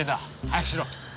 早くしろ！